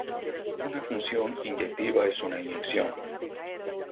Una función inyectiva es una inyección.